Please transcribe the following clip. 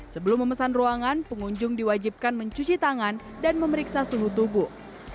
sebelum memesan ruangan pengunjung diwajibkan mencuci tangan dan memeriksa suhu tubuh